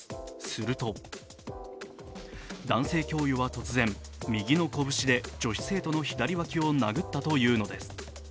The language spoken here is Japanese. すると、男性教諭は突然、右の拳で女子生徒の左わきを殴ったというのです。